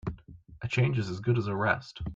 A change is as good as a rest.